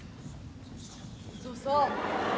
そうそう。